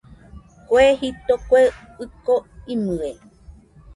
Kue jito, kue ɨko imɨe